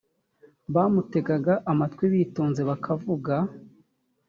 bamutegaga amatwi bitonze bakavuga